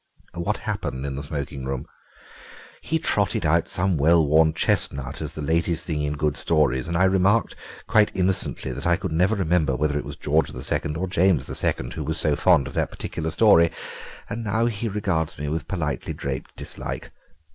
"What happened in the smoking room?" "He trotted out some well worn chestnut as the latest thing in good stories, and I remarked, quite innocently, that I never could remember whether it was George II. or James II. who was so fond of that particular story, and now he regards me with politely draped dislike.